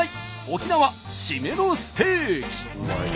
沖縄シメのステーキ！